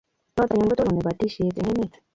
Notok anyun ko tononi batishet eng' emet